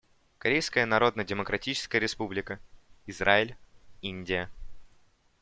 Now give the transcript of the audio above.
Корейская Народно-Демократическая Республика, Израиль, Индия.